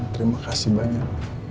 terima kasih banyak